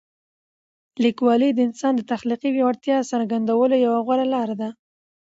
لیکوالی د انسان د تخلیقي وړتیاوو څرګندولو یوه غوره لاره ده.